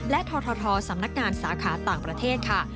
และททสำนักงานสาขาต่างประเทศค่ะ